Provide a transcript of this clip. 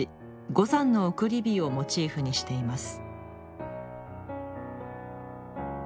五山の送り火をモチーフにしています